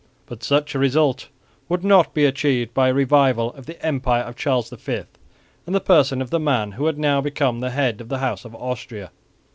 But such a result would not be achieved by a revival of the empire of Charles V in the person of the man who had now become the head of the House of Austria.